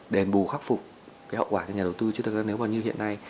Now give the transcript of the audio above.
để đền bù khắc phục cái hậu quả của nhà đầu tư chứ thật ra nếu như hiện nay